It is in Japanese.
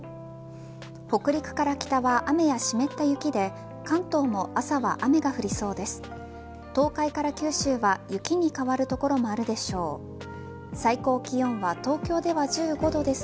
北陸から北は雨や湿った雪で関東も朝は雨が降りそうです。